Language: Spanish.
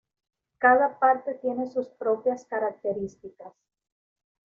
Cada parte tiene sus propias características.